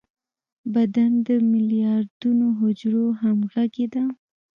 بدن د ملیاردونو حجرو همغږي ده.